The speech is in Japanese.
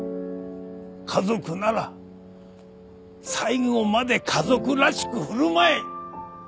家族なら最後まで家族らしく振る舞え！